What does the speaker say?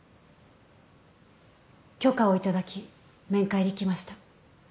許可を頂き面会に来ました。